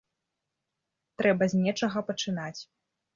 Трэба з нечага пачынаць.